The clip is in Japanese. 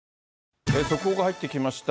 速報が入ってきました。